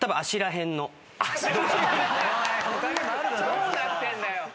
どうなってんだよ！